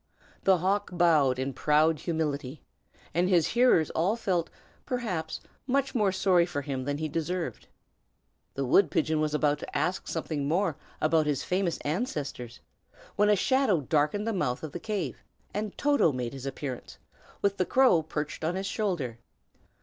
The hawk bowed in proud humility, and his hearers all felt, perhaps, much more sorry for him than he deserved. The wood pigeon was about to ask something more about his famous ancestors, when a shadow darkened the mouth of the cave, and Toto made his appearance, with the crow perched on his shoulder.